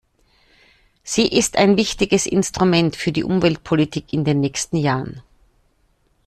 Sie ist ein wichtiges Instrument für die Umweltpolitik in den nächsten Jahren.